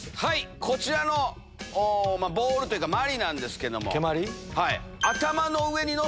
こちらのボールというかまりなんですけども。